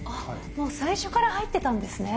もう最初から入ってたんですね。